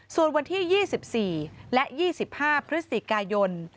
ส่วนวันที่๒๔และ๒๕พฤศจิกายน